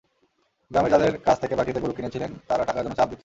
গ্রামের যাদের কাছ থেকে বাকিতে গরু কিনেছিলেন, তারা টাকার জন্য চাপ দিচ্ছে।